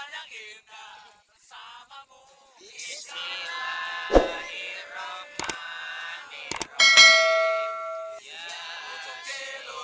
ndak kalah enam mursah hid laser